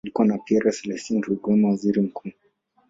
Kulikuwa na Pierre Celestin Rwigema, waziri mkuu.